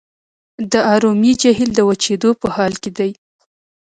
د ارومیې جهیل د وچیدو په حال کې دی.